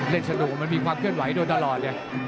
เล่นสนุกมันมีความเคลื่อนไหวโดยตลอดเลย